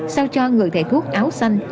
sao cho người thầy thuốc áo xanh